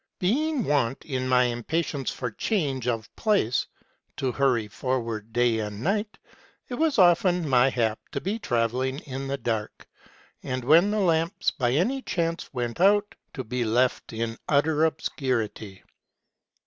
Being wont, in my impatience for change of place, to hurry forward day and night, it was often my hap to be travelling in the dark, and, when the lamps by any chance went out, to be left in utter obscurity.